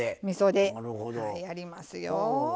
みそではいやりますよ。